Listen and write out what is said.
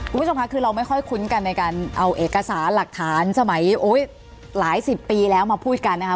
คุณผู้ชมค่ะคือเราไม่ค่อยคุ้นกันในการเอาเอกสารหลักฐานสมัยหลายสิบปีแล้วมาพูดกันนะคะ